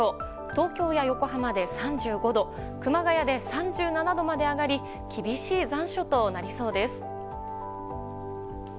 東京や横浜で３５度熊谷で３７度まで上がり厳しい残暑となりそうです。